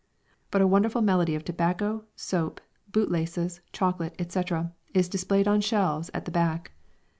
But a wonderful medley of tobacco, soap, bootlaces, chocolate, etc., is displayed on shelves at the back.